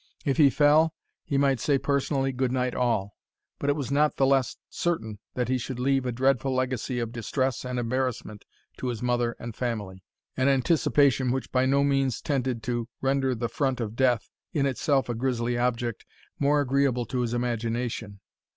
If he fell, he might say personally, "good night all." But it was not the less certain that he should leave a dreadful legacy of distress and embarrassment to his mother and family, an anticipation which by no means tended to render the front of death, in itself a grisly object, more agreeable to his imagination.